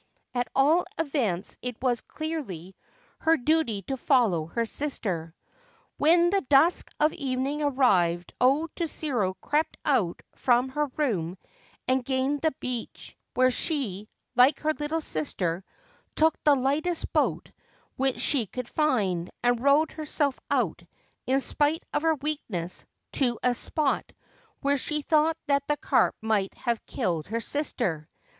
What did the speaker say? At all events, it was clearly her duty to follow her sister. When the dusk of evening arrived O Tsuru crept out from her room and gained the beach, where she, like her little sister, took the lightest boat which she could find, and rowed herself out, in spite of her weakness, to a spot where she thought that the carp might have killed her sister.